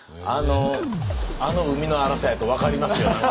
あの海の荒さやと分かりますよ。